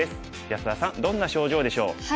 安田さんどんな症状でしょう？